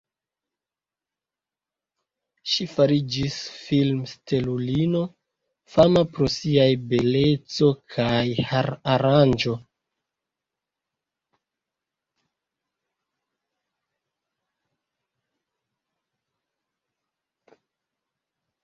Ŝi fariĝis film-stelulino, fama pro siaj beleco kaj har-aranĝo.